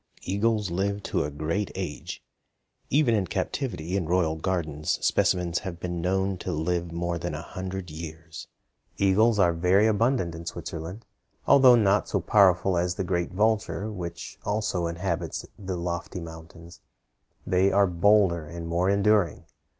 Eagles live to a great age; even in captivity in royal gardens specimens have been known to live more than a hundred years. Eagles are very abundant in Switzerland. Although not so powerful as the great vulture, which also inhabits the lofty mountains, they are bolder and more enduring.